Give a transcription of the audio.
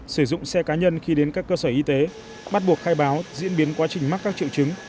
sử dụng xe cá nhân khi đến các cơ sở y tế bắt buộc khai báo diễn biến quá trình mắc các triệu chứng